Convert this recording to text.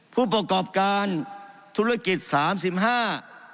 ผู้ประกอบการธุรกิจสามสิบห้า